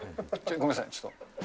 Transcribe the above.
ごめんなさい、ちょっと。